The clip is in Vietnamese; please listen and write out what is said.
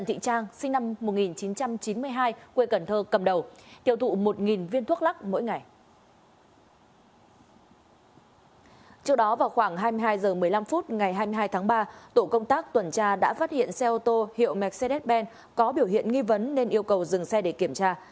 trước đó vào khoảng hai mươi hai h một mươi năm phút ngày hai mươi hai tháng ba tổ công tác tuần tra đã phát hiện xe ô tô hiệu mercedes ben có biểu hiện nghi vấn nên yêu cầu dừng xe để kiểm tra